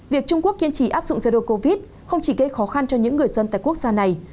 việc trung quốc kiên trì áp dụng zero covid không chỉ gây khó khăn cho những người dân tại quốc gia này